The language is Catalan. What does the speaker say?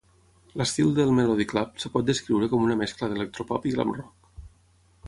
L'estil del Melody Club es pot descriure com una mescla d'electropop i glam rock.